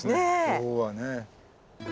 今日はね。